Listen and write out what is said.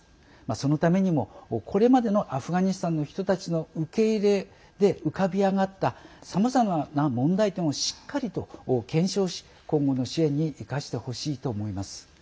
そのためにも、これまでのアフガニスタンの人たちの受け入れで浮かび上がったさまざまな問題点をしっかりと検証し、今後の支援に生かしてほしいと思います。